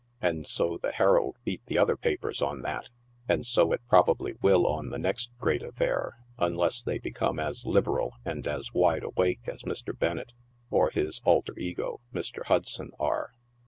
And so the Herald beat the other papers on that, and so it probably will on the next great affair, unless they become as liberat and as wide awake as Mr. Bennett or his alter ego, Mr. Hudson, are.